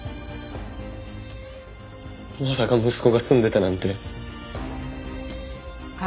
まさか息子が住んでたなんて。